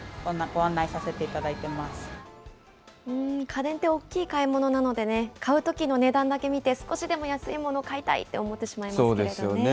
家電って大きい買い物なので、買うときの値段だけ見て、少しでも安いもの買いたいって思ってしまいますけれどもね。